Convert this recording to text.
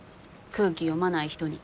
空気読まない人に。